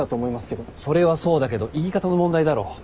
それはそうだけど言い方の問題だろ。